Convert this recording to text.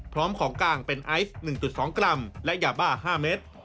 พร้อมของกลางเป็นไอซ์๑๒กรัมและยาบ้า๕เมตร